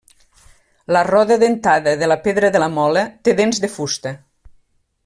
La roda dentada de la pedra de la mola té dents de fusta.